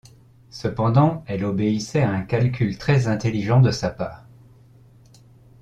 Cependant elle obéissait à un calcul très intelligent de sa part.